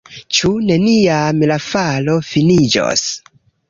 Ĉu neniam la falo finiĝos?